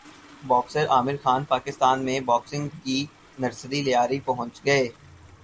boxer Aamir Khan Pakistan میں boxing کی nursery Lyari پہنچ گئے